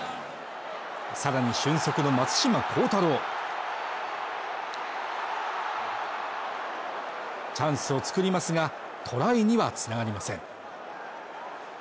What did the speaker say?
さらに俊足の松島幸太朗チャンスを作りますがトライにはつながりません